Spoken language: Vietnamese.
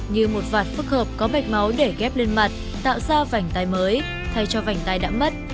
như một vạt phức hợp có bạch máu để ghép lên mặt tạo ra phành tay mới thay cho phành tay đã mất